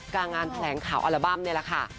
งานแถลงข่าวอัลบั้มนี่แหละค่ะ